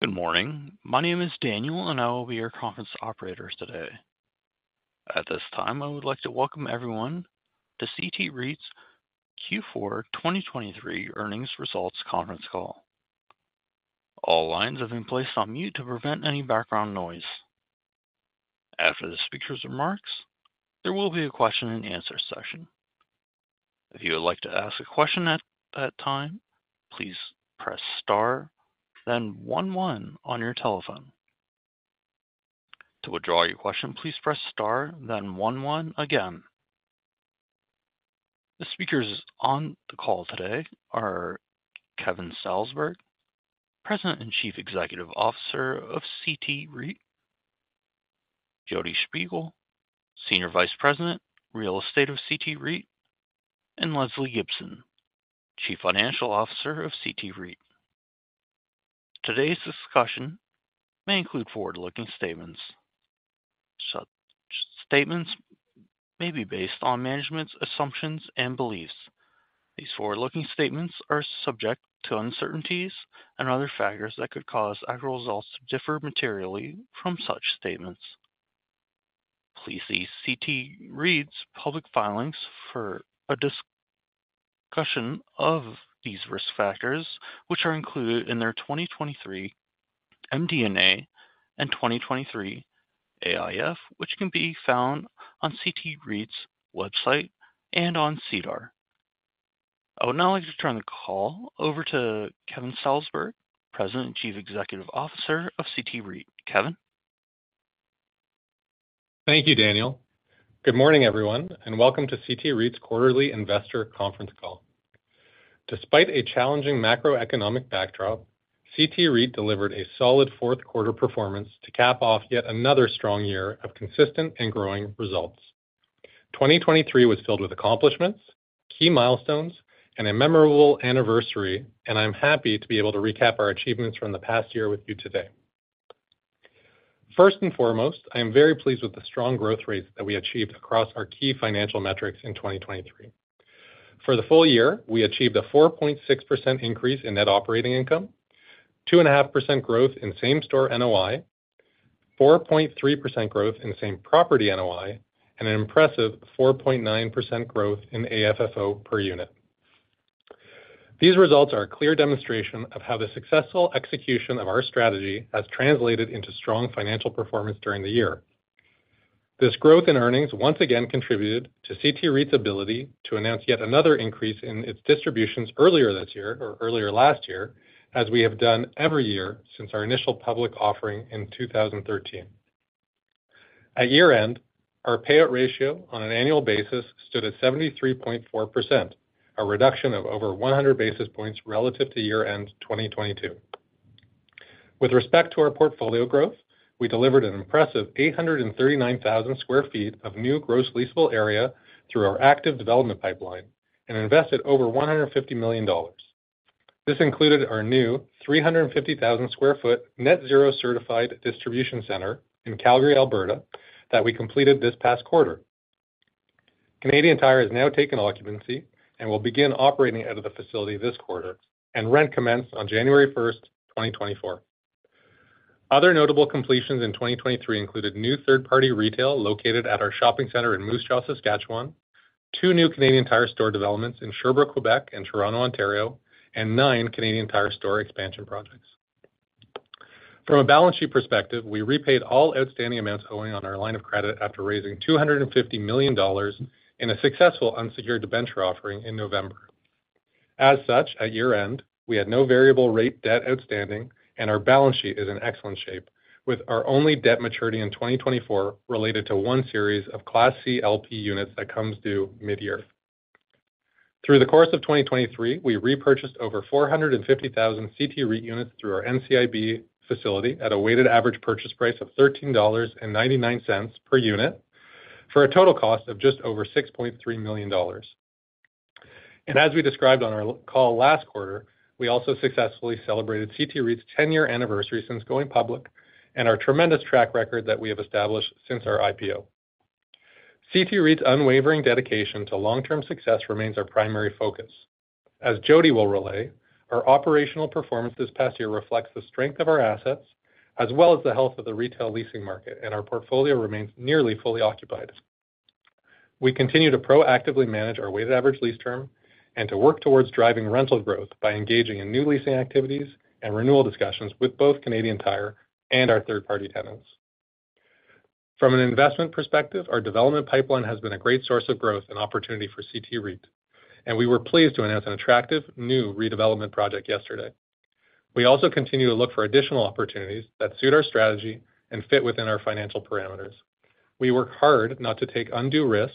Good morning. My name is Daniel and I will be your conference operator today. At this time I would like to welcome everyone to CT REIT's Q4 2023 earnings results conference call. All lines have been placed on mute to prevent any background noise. After the speaker's remarks, there will be a question and answer session. If you would like to ask a question at that time, please press star, then one one on your telephone. To withdraw your question, please press star, then one one again. The speakers on the call today are Kevin Salsberg, President and Chief Executive Officer of CT REIT; Jodi Shpigel, Senior Vice President, Real Estate of CT REIT; and Lesley Gibson, Chief Financial Officer of CT REIT. Today's discussion may include forward-looking statements. Such statements may be based on management's assumptions and beliefs. These forward-looking statements are subject to uncertainties and other factors that could cause actual results to differ materially from such statements. Please see CT REIT's public filings for a discussion of these risk factors, which are included in their 2023 MD&A and 2023 AIF, which can be found on CT REIT's website and on SEDAR. I would now like to turn the call over to Kevin Salsberg, President and Chief Executive Officer of CT REIT. Kevin? Thank you, Daniel. Good morning, everyone, and welcome to CT REIT's quarterly investor conference call. Despite a challenging macroeconomic backdrop, CT REIT delivered a solid fourth-quarter performance to cap off yet another strong year of consistent and growing results. 2023 was filled with accomplishments, key milestones, and a memorable anniversary, and I'm happy to be able to recap our achievements from the past year with you today. First and foremost, I am very pleased with the strong growth rates that we achieved across our key financial metrics in 2023. For the full year, we achieved a 4.6% increase in net operating income, 2.5% growth in same-store NOI, 4.3% growth in same-property NOI, and an impressive 4.9% growth in AFFO per unit. These results are a clear demonstration of how the successful execution of our strategy has translated into strong financial performance during the year. This growth in earnings once again contributed to CT REIT's ability to announce yet another increase in its distributions earlier this year or earlier last year, as we have done every year since our initial public offering in 2013. At year-end, our payout ratio on an annual basis stood at 73.4%, a reduction of over 100 basis points relative to year-end 2022. With respect to our portfolio growth, we delivered an impressive 839,000 sq ft of new gross leasable area through our active development pipeline and invested over 150 million dollars. This included our new 350,000 sq ft net-zero certified distribution center in Calgary, Alberta, that we completed this past quarter. Canadian Tire has now taken occupancy and will begin operating out of the facility this quarter, and rent commenced on January 1st, 2024. Other notable completions in 2023 included new third-party retail located at our shopping center in Moose Jaw, Saskatchewan, two new Canadian Tire store developments in Sherbrooke, Quebec, and Toronto, Ontario, and nine Canadian Tire store expansion projects. From a balance sheet perspective, we repaid all outstanding amounts owing on our line of credit after raising 250 million dollars in a successful unsecured debenture offering in November. As such, at year-end, we had no variable-rate debt outstanding, and our balance sheet is in excellent shape, with our only debt maturity in 2024 related to one series of Class C LP units that comes due mid-year. Through the course of 2023, we repurchased over 450,000 CT REIT units through our NCIB facility at a weighted average purchase price of 13.99 dollars per unit for a total cost of just over 6.3 million dollars. As we described on our call last quarter, we also successfully celebrated CT REIT's 10-year anniversary since going public and our tremendous track record that we have established since our IPO. CT REIT's unwavering dedication to long-term success remains our primary focus. As Jodi will relay, our operational performance this past year reflects the strength of our assets as well as the health of the retail leasing market, and our portfolio remains nearly fully occupied. We continue to proactively manage our weighted average lease term and to work towards driving rental growth by engaging in new leasing activities and renewal discussions with both Canadian Tire and our third-party tenants. From an investment perspective, our development pipeline has been a great source of growth and opportunity for CT REIT, and we were pleased to announce an attractive new redevelopment project yesterday. We also continue to look for additional opportunities that suit our strategy and fit within our financial parameters. We work hard not to take undue risk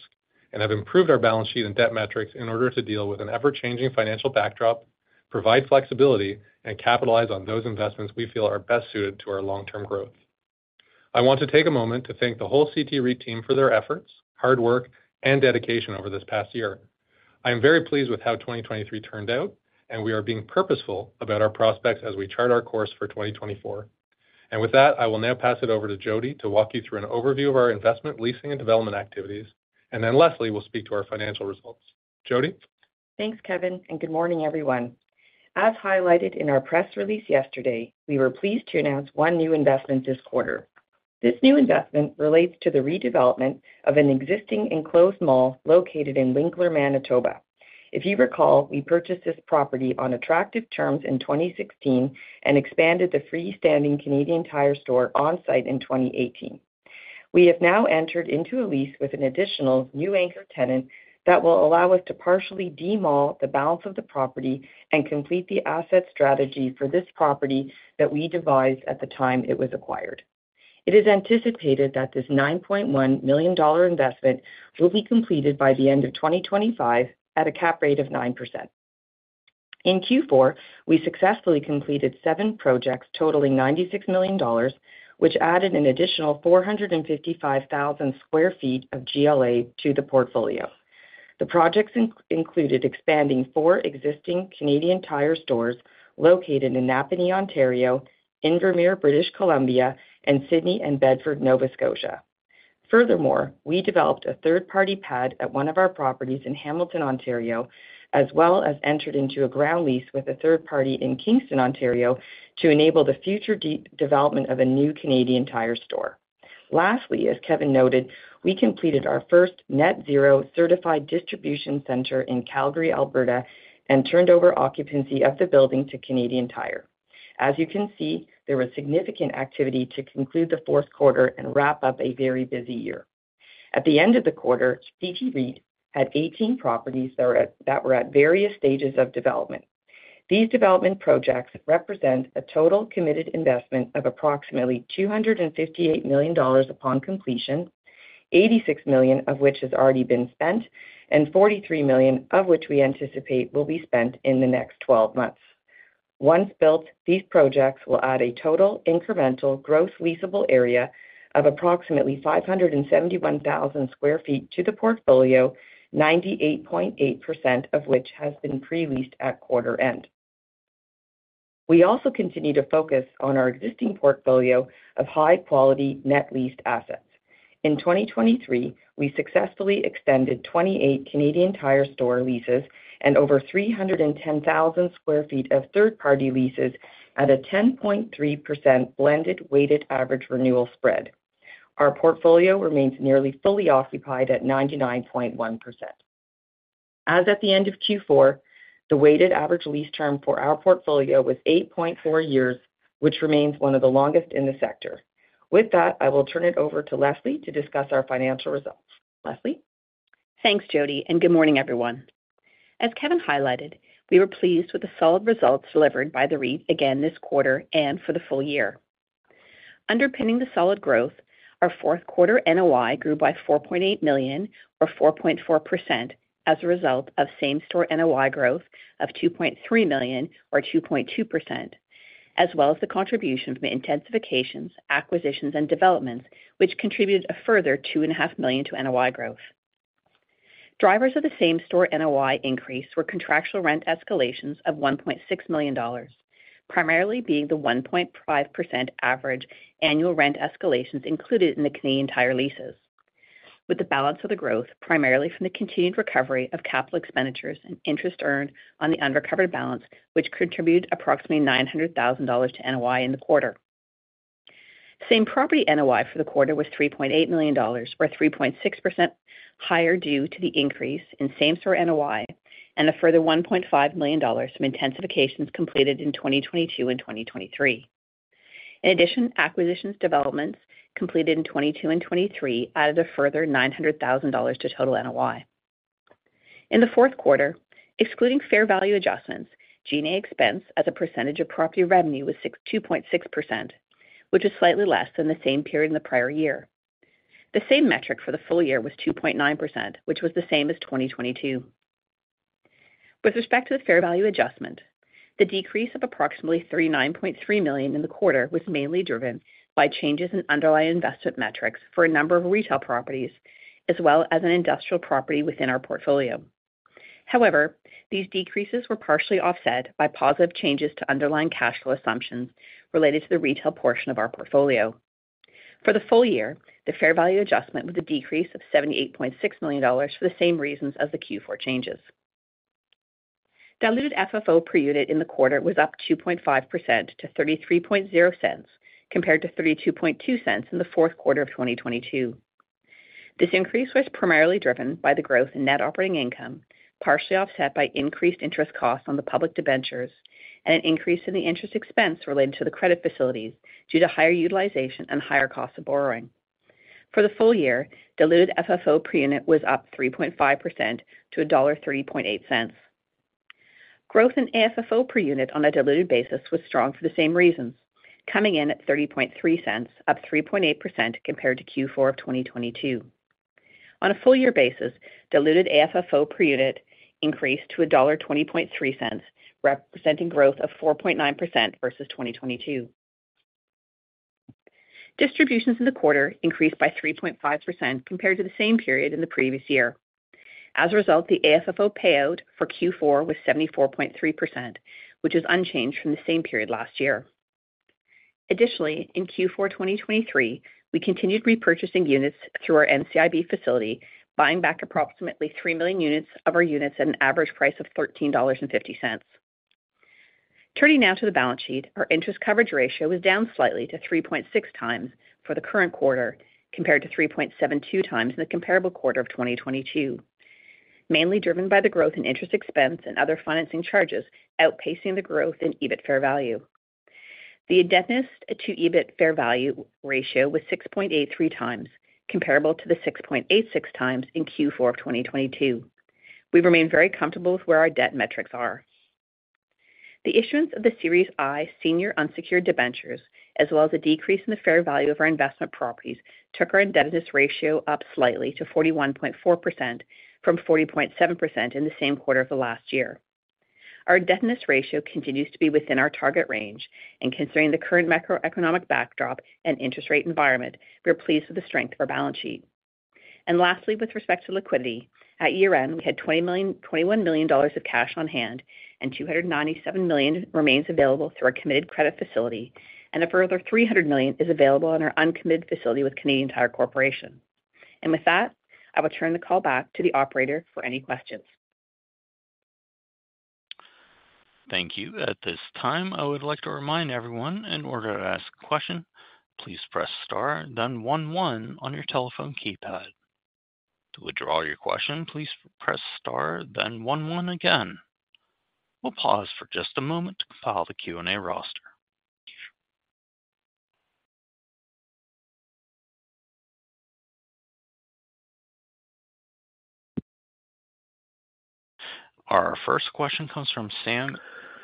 and have improved our balance sheet and debt metrics in order to deal with an ever-changing financial backdrop, provide flexibility, and capitalize on those investments we feel are best suited to our long-term growth. I want to take a moment to thank the whole CT REIT team for their efforts, hard work, and dedication over this past year. I am very pleased with how 2023 turned out, and we are being purposeful about our prospects as we chart our course for 2024. And with that, I will now pass it over to Jodi to walk you through an overview of our investment, leasing, and development activities, and then Lesley will speak to our financial results. Jodi? Thanks, Kevin, and good morning, everyone. As highlighted in our press release yesterday, we were pleased to announce one new investment this quarter. This new investment relates to the redevelopment of an existing enclosed mall located in Winkler, Manitoba. If you recall, we purchased this property on attractive terms in 2016 and expanded the freestanding Canadian Tire store on-site in 2018. We have now entered into a lease with an additional new anchor tenant that will allow us to partially demall the balance of the property and complete the asset strategy for this property that we devised at the time it was acquired. It is anticipated that this 9.1 million dollar investment will be completed by the end of 2025 at a cap rate of 9%. In Q4, we successfully completed seven projects totaling 96 million dollars, which added an additional 455,000 sq ft of GLA to the portfolio. The projects included expanding four existing Canadian Tire stores located in Napanee, Ontario, Invermere, British Columbia, and Sydney and Bedford, Nova Scotia. Furthermore, we developed a third-party pad at one of our properties in Hamilton, Ontario, as well as entered into a ground lease with a third party in Kingston, Ontario, to enable the future development of a new Canadian Tire store. Lastly, as Kevin noted, we completed our first net-zero certified distribution center in Calgary, Alberta, and turned over occupancy of the building to Canadian Tire. As you can see, there was significant activity to conclude the fourth quarter and wrap up a very busy year. At the end of the quarter, CT REIT had 18 properties that were at various stages of development. These development projects represent a total committed investment of approximately 258 million dollars upon completion, 86 million of which has already been spent, and 43 million of which we anticipate will be spent in the next 12 months. Once built, these projects will add a total incremental gross leasable area of approximately 571,000 square feet to the portfolio, 98.8% of which has been pre-leased at quarter-end. We also continue to focus on our existing portfolio of high-quality net leased assets. In 2023, we successfully extended 28 Canadian Tire store leases and over 310,000 square feet of third-party leases at a 10.3% blended weighted average renewal spread. Our portfolio remains nearly fully occupied at 99.1%. As at the end of Q4, the weighted average lease term for our portfolio was 8.4 years, which remains one of the longest in the sector. With that, I will turn it over to Lesley to discuss our financial results. Lesley? Thanks, Jodi, and good morning, everyone. As Kevin highlighted, we were pleased with the solid results delivered by the REIT again this quarter and for the full year. Underpinning the solid growth, our fourth-quarter NOI grew by 4.8 million, or 4.4%, as a result of same-store NOI growth of 2.3 million, or 2.2%, as well as the contribution from intensifications, acquisitions, and developments, which contributed a further 2.5 million to NOI growth. Drivers of the same-store NOI increase were contractual rent escalations of 1.6 million dollars, primarily being the 1.5% average annual rent escalations included in the Canadian Tire leases. With the balance of the growth, primarily from the continued recovery of capital expenditures and interest earned on the unrecovered balance, which contributed approximately 900,000 dollars to NOI in the quarter. Same-Property NOI for the quarter was 3.8 million dollars, or 3.6% higher due to the increase in same-store NOI and a further 1.5 million dollars from intensifications completed in 2022 and 2023. In addition, acquisitions and developments completed in 2022 and 2023 added a further 900,000 dollars to total NOI. In the fourth quarter, excluding fair value adjustments, G&A expense as a percentage of property revenue was 2.6%, which was slightly less than the same period in the prior year. The same metric for the full year was 2.9%, which was the same as 2022. With respect to the fair value adjustment, the decrease of approximately 39.3 million in the quarter was mainly driven by changes in underlying investment metrics for a number of retail properties, as well as an industrial property within our portfolio. However, these decreases were partially offset by positive changes to underlying cash flow assumptions related to the retail portion of our portfolio. For the full year, the Fair Value Adjustment was a decrease of 78.6 million dollars for the same reasons as the Q4 changes. Diluted FFO per unit in the quarter was up 2.5% to 0.330 compared to 0.322 in the fourth quarter of 2022. This increase was primarily driven by the growth in Net Operating Income, partially offset by increased interest costs on the public debentures, and an increase in the interest expense related to the credit facilities due to higher utilization and higher cost of borrowing. For the full year, diluted FFO per unit was up 3.5% to dollar 1.30. Growth in AFFO per unit on a diluted basis was strong for the same reasons, coming in at 0.303, up 3.8% compared to Q4 of 2022. On a full-year basis, diluted AFFO per unit increased to dollar 1.20, representing growth of 4.9% versus 2022. Distributions in the quarter increased by 3.5% compared to the same period in the previous year. As a result, the AFFO payout for Q4 was 74.3%, which is unchanged from the same period last year. Additionally, in Q4 2023, we continued repurchasing units through our NCIB facility, buying back approximately three million units of our units at an average price of 13.50 dollars. Turning now to the balance sheet, our Interest Coverage Ratio was down slightly to 3.6x for the current quarter compared to 3.72x in the comparable quarter of 2022, mainly driven by the growth in interest expense and other financing charges outpacing the growth in EBIT Fair Value. The Indebtedness to EBIT Fair Value Ratio was 6.83x, comparable to the 6.86x in Q4 of 2022. We remain very comfortable with where our debt metrics are. The issuance of the Series I senior unsecured debentures, as well as a decrease in the fair value of our investment properties, took our indebtedness ratio up slightly to 41.4% from 40.7% in the same quarter of the last year. Our indebtedness ratio continues to be within our target range, and considering the current macroeconomic backdrop and interest rate environment, we are pleased with the strength of our balance sheet. And lastly, with respect to liquidity, at year-end, we had 21 million dollars of cash on hand, and 297 million remains available through our committed credit facility, and a further 300 million is available on our uncommitted facility with Canadian Tire Corporation. And with that, I will turn the call back to the operator for any questions. Thank you. At this time, I would like to remind everyone, in order to ask a question, please press star, then one one on your telephone keypad. To withdraw your question, please press star, then one one again. We'll pause for just a moment to compile the Q&A roster. Our first question comes from Sam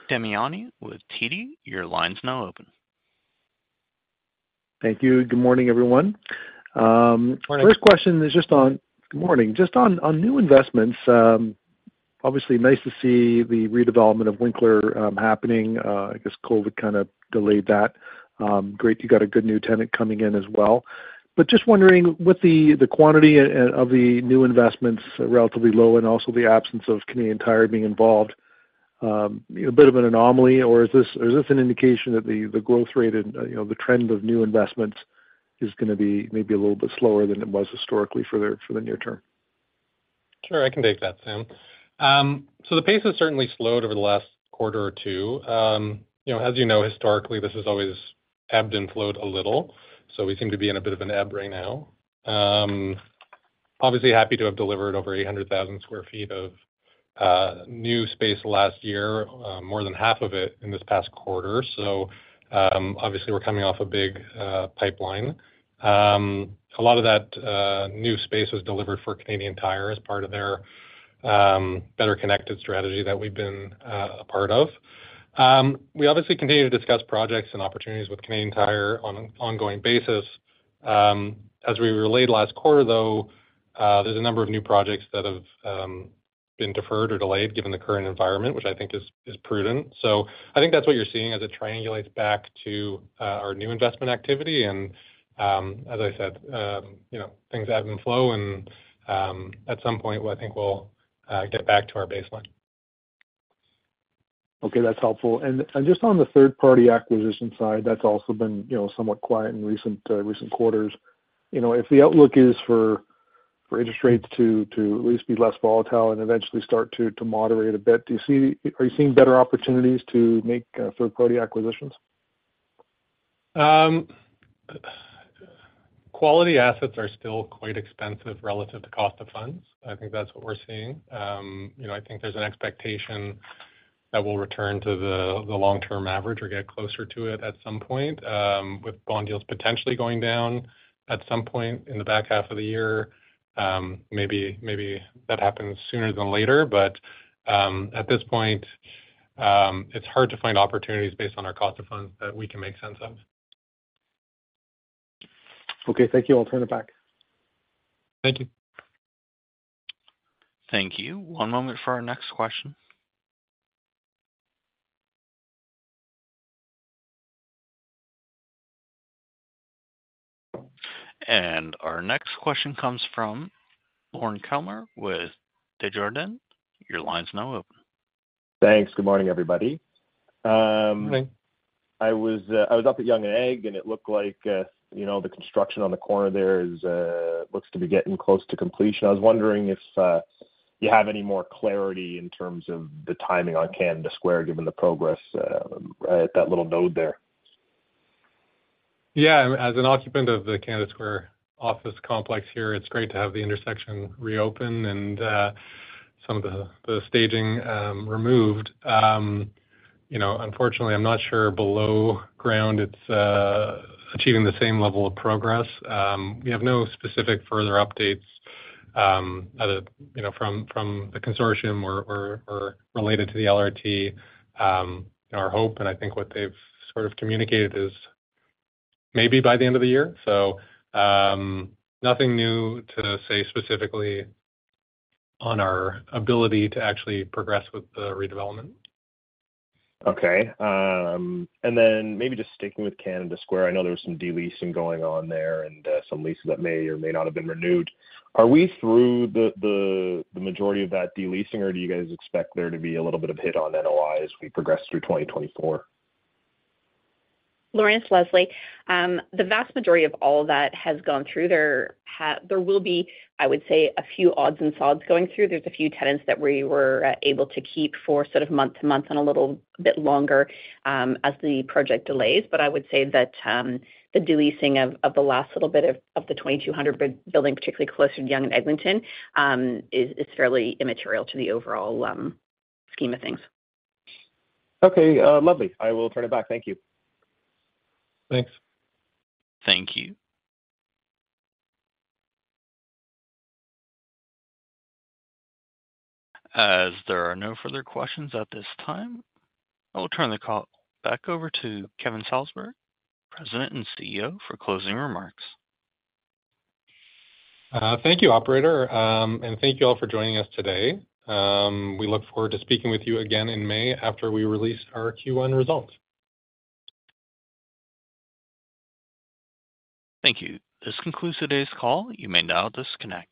Damiani with TD, your line's now open. Thank you. Good morning, everyone. Morning. First question is just on good morning. Just on new investments, obviously nice to see the redevelopment of Winkler happening. I guess COVID kind of delayed that. Great, you got a good new tenant coming in as well. But just wondering, with the quantity of the new investments relatively low and also the absence of Canadian Tire being involved, a bit of an anomaly, or is this an indication that the growth rate and the trend of new investments is going to be maybe a little bit slower than it was historically for the near term? Sure, I can take that, Sam. So the pace has certainly slowed over the last quarter or two. As you know, historically, this has always ebbed and flowed a little, so we seem to be in a bit of an ebb right now. Obviously, happy to have delivered over 800,000 sq ft of new space last year, more than half of it in this past quarter. So obviously, we're coming off a big pipeline. A lot of that new space was delivered for Canadian Tire as part of their Better Connected strategy that we've been a part of. We obviously continue to discuss projects and opportunities with Canadian Tire on an ongoing basis. As we relayed last quarter, though, there's a number of new projects that have been deferred or delayed given the current environment, which I think is prudent. I think that's what you're seeing as it triangulates back to our new investment activity. And as I said, things ebb and flow, and at some point, I think we'll get back to our baseline. Okay, that's helpful. Just on the third-party acquisition side, that's also been somewhat quiet in recent quarters. If the outlook is for interest rates to at least be less volatile and eventually start to moderate a bit, are you seeing better opportunities to make third-party acquisitions? Quality assets are still quite expensive relative to cost of funds. I think that's what we're seeing. I think there's an expectation that we'll return to the long-term average or get closer to it at some point, with bond yields potentially going down at some point in the back half of the year. Maybe that happens sooner than later, but at this point, it's hard to find opportunities based on our cost of funds that we can make sense of. Okay, thank you. I'll turn it back. Thank you. Thank you. One moment for our next question. Our next question comes from Lorne Kalmar with Desjardins. Your line's now open. Thanks. Good morning, everybody. Good morning. I was up at Yonge and Eglinton, and it looked like the construction on the corner there looks to be getting close to completion. I was wondering if you have any more clarity in terms of the timing on Canada Square given the progress at that little node there. Yeah, as an occupant of the Canada Square office complex here, it's great to have the intersection reopened and some of the staging removed. Unfortunately, I'm not sure below ground it's achieving the same level of progress. We have no specific further updates from the consortium or related to the LRT. Our hope, and I think what they've sort of communicated, is maybe by the end of the year. So nothing new to say specifically on our ability to actually progress with the redevelopment. Okay. And then maybe just sticking with Canada Square, I know there was some deleasing going on there and some leases that may or may not have been renewed. Are we through the majority of that deleasing, or do you guys expect there to be a little bit of hit on NOI as we progress through 2024? Lorne, Lesley, the vast majority of all that has gone through, there will be, I would say, a few odds and sods going through. There's a few tenants that we were able to keep for sort of month-to-month and a little bit longer as the project delays. But I would say that the deleasing of the last little bit of the 2200 building, particularly closer to Yonge and Eglinton, is fairly immaterial to the overall scheme of things. Okay, lovely. I will turn it back. Thank you. Thanks. Thank you. As there are no further questions at this time, I will turn the call back over to Kevin Salsberg, President and CEO, for closing remarks. Thank you, operator, and thank you all for joining us today. We look forward to speaking with you again in May after we release our Q1 results. Thank you. This concludes today's call. You may now disconnect.